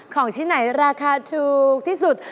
ของที่ไหนราคาถูกที่สุด